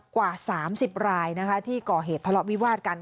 กว่า๓๐รายที่ก่อเหตุทะเลาะวิวาดกัน